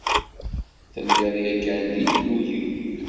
Telliḍ yakan d Illu-iw.